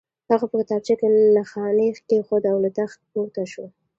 هغه په کتابچه کې نښاني کېښوده او له تخت پورته شو